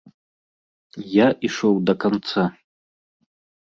Я ішоў да канца.